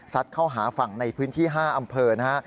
เข้าหาฝั่งในพื้นที่๕อำเภอนะฮะ